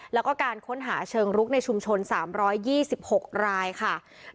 แล้วก็การค้นหาเชิงรุกในชุมชน๓๒๖รายค่ะ